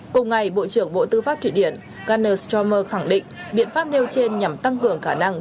cùng ngày bộ trưởng bộ tư pháp thụy điển guner strammer khẳng định biện pháp nêu trên nhằm tăng cường khả năng